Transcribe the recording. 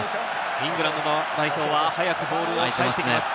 イングランド代表は速くボールをかえしてきます。